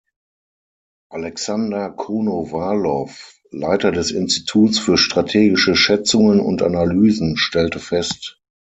Alexander Konowalow, Leiter des Instituts für strategische Schätzungen und Analysen, stellte fest.